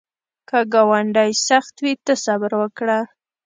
که ګاونډی سخت وي، ته صبر وکړه